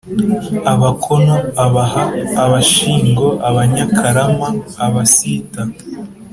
Abakono, Abaha, Abashingo, Abanyakarama, Abasita,